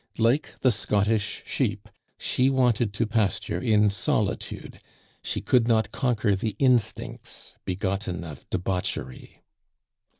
Like the Scottish sheep, she wanted to pasture in solitude, she could not conquer the instincts begotten of debauchery.